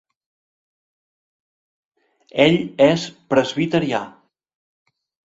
Ell és presbiterià.